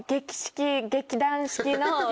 劇団四季の。